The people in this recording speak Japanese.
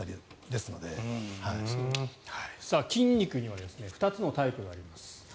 そして筋肉には２つのタイプがあります。